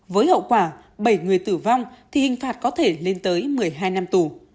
với hậu quả bảy người tử vong thì hình phạt có thể lên tới một mươi hai năm tù